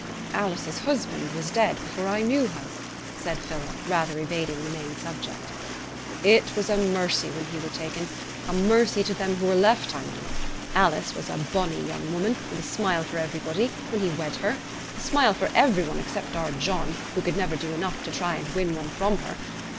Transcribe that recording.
'Alice's husband was dead before I knew her,' said Philip, rather evading the main subject. 'It was a mercy when he were taken. A mercy to them who were left, I mean. Alice was a bonny young woman, with a smile for everybody, when he wed her a smile for every one except our John, who never could do enough to try and win one from her.